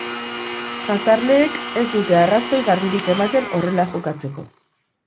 Jazarleek ez dute arrazoi garbirik ematen horrela jokatzeko.